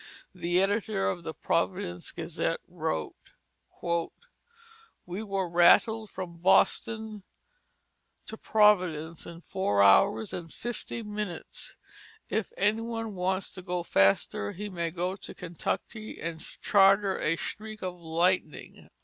The editor of the Providence Gazette wrote: "We were rattled from Boston to Providence in four hours and fifty minutes if any one wants to go faster he may go to Kentucky and charter a streak of lightning."